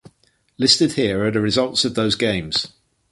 Listed below are the results of those games.